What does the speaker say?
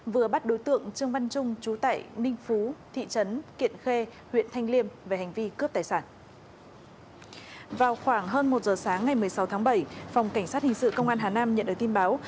vào khoảng hơn một giờ sáng ngày một mươi sáu tháng bảy phòng cảnh sát hình sự công an hà nam nhận được tin báo